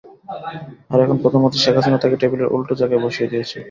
আর এখন প্রধানমন্ত্রী শেখ হাসিনা তাঁকে টেবিলের উল্টো জায়গায় বসিয়ে দিয়েছেন।